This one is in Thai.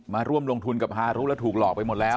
มาร่วมลงทุนกับฮารุแล้วถูกหลอกไปหมดแล้ว